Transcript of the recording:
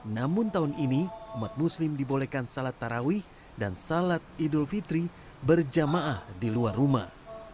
namun tahun ini umat muslim dibolehkan salat tarawih dan salat idul fitri berjamaah di luar rumah